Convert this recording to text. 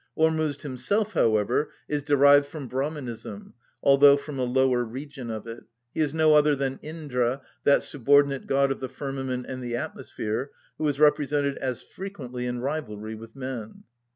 Ormuzd himself, however, is derived from Brahmanism, although from a lower region of it; he is no other than Indra, that subordinate god of the firmament and the atmosphere, who is represented as frequently in rivalry with men.